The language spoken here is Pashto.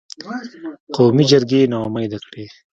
قومي جرګې یې نا امیده کړې.